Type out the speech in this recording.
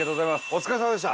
お疲れさまでした。